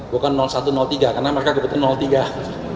bukan satu tiga karena mereka kebetulan tiga